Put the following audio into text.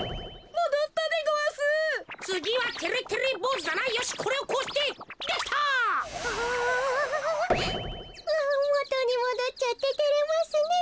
もとにもどっちゃっててれますねえ。